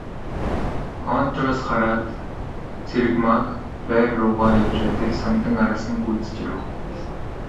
Контороос гараад Цэрэгмааг байр руугаа явж байтал Самдан араас нь гүйцэж ирэв.